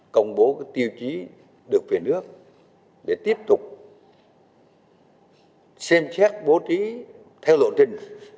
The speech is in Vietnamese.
công bố các tiêu chí được về nước để tiếp tục xem xét bố trí theo lộ trình